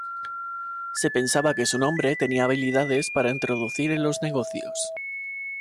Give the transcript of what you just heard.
Se pensaba que su nombre tenía habilidades para introducir en los negocios.